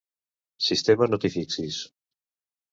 Sistema no t'hi fixis.